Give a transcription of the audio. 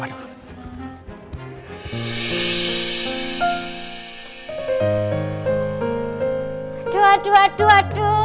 aduh aduh aduh